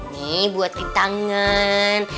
nih buat di tangan